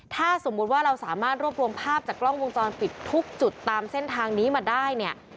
ถ้าสมมุติว่าเราสามารถรวบรวมภาพจากกล้องวงจรปิดทุกจุดตามเส้นทางนี้มาได้เนี่ย